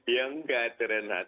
ya enggak terenat